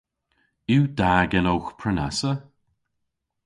Yw da genowgh prenassa?